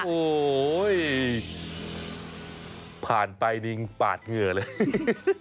โอ้โหผ่านไปนี่ปาดเหงื่อเลย